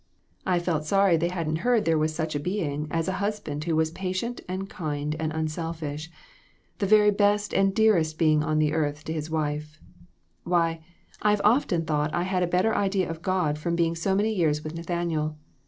I felt sorry that they hadn't heard there was such a being as a husband who was patient and kind and unselfish the very best and dearest being on earth to his wife. Why, I've often thought I had a better idea of God from being so many years with Nathaniel.